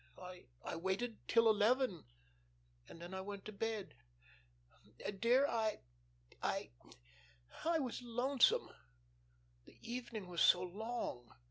I waited till eleven, and then I went to bed. Dear I I I was lonesome. The evening was so long.